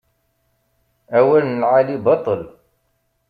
Awal n lεali baṭel.